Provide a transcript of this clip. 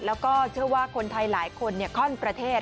แล้วก็เชื่อว่าคนไทยหลายคนคล่อนประเทศ